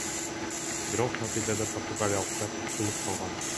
Бирок натыйжада португалиялыктар утулуп калган.